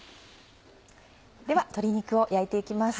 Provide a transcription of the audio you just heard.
では鶏肉を焼いて行きます。